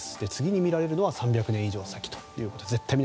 次に見られるのは３００年以上先ということです。